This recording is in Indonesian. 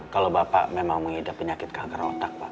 kalau bapak memang mengidap penyakit kanker otak pak